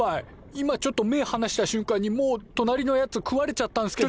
今ちょっと目ぇはなした瞬間にもうとなりのやつ食われちゃったんすけど。